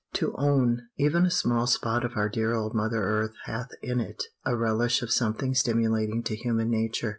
To OWN even a small spot of our dear old mother earth hath in it a relish of something stimulating to human nature.